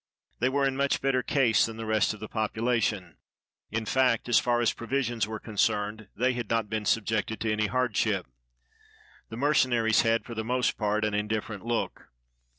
They were in much better case than the rest of the population; in fact, as far as provisions were concerned, they had not been subjected to any hardship. The mercenaries had, for the most part, an indifferent look.